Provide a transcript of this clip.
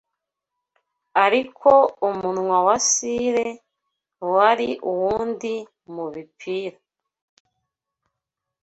Ariko umunwa wa sire wari uwundi mubipira